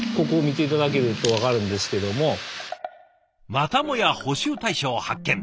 またもや補修対象発見。